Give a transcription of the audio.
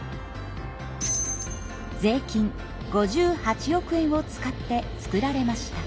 税金５８億円を使って作られました。